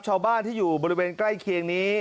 ชาวบ้านที่อยู่บริเวณใกล้เคียงนี้